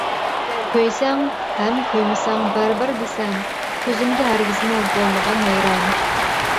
كۆيسەڭ ھەم كۆيمىسەڭ بەرىبىر دېسەم، سۆزۈمگە ھەرگىزمۇ بولمىغىن ھەيران.